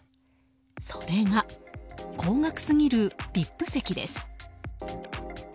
それが高額すぎるＶＩＰ席です。